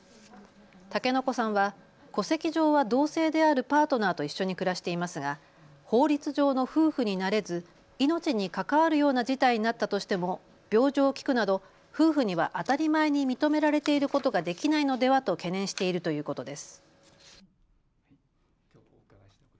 竹乃娘さんは戸籍上は同性であるパートナーと一緒に暮らしていますが法律上の夫婦になれず命に関わるような事態になったとしても病状を聞くなど夫婦には当たり前に認められていることができないのではと懸念しているということです。